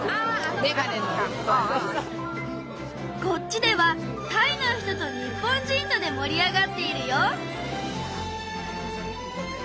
こっちではタイの人と日本人とでもり上がっているよ。